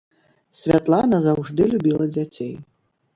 Святлана заўжды любіла дзяцей.